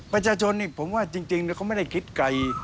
ประชาชนนี่ผมว่าจริงเขาไม่ได้คิดไกล